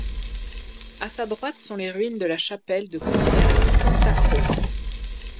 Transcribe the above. À sa droite sont les ruines de la chapelle de confrérie Santa Croce.